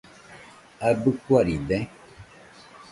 ¿Abɨ kuaride.?